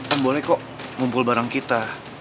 kan boleh kok ngumpul bareng kita